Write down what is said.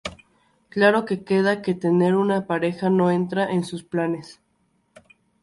Claro queda, que tener una pareja no entra en sus planes.